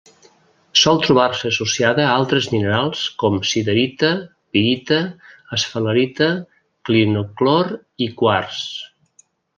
Sol trobar-se associada a altres minerals com: siderita, pirita, esfalerita, clinoclor i quars.